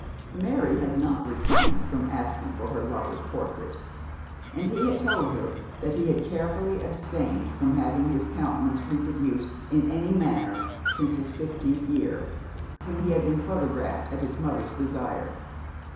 Mary had not refrained from asking for her lover's portrait; and he had told her that he had carefully abstained from having his countenance reproduced in any manner since his fifteenth year, when he had been photographed at his mother's desire.